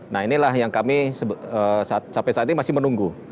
nah inilah yang kami sampai saat ini masih menunggu